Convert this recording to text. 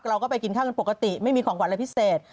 เราก็ไปกินข้าวกันปกติไม่มีของขวัญอะไรพิเศษ